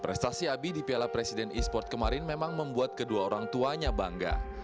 prestasi abi di piala presiden e sport kemarin memang membuat kedua orang tuanya bangga